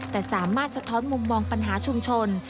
แต่สามารถสะท้อนมุมมองปัญหาชุมชน